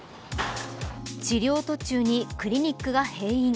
治療途中にクリニックが閉院。